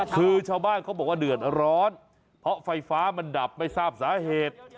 คือชาวบ้านเขาบอกว่าเดือดร้อนเพราะไฟฟ้ามันดับไม่ทราบสาเหตุ